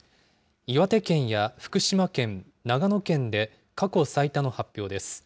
岩手県や福島県、長野県で過去最多の発表です。